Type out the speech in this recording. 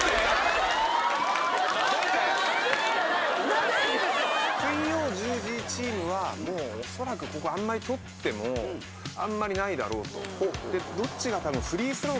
何で⁉１０時チームはおそらくあんまり取ってもあんまりないだろうと。